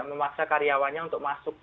memaksa karyawannya untuk masuk